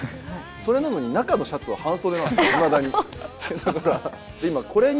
それなのに、中のシャツは半袖なんです、いまだに。